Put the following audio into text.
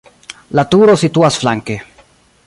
La turo situas flanke.